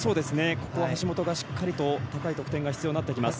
ここを橋本大輝がしっかり高い得点が必要になります。